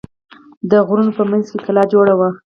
د غرونو په منځ کې کلا جوړه وه.